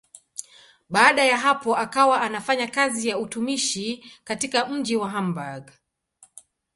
Baada ya hapo akawa anafanya kazi ya utumishi katika mji wa Hamburg.